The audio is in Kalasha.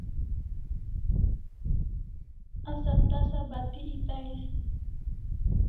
Asa tasa bati eta ais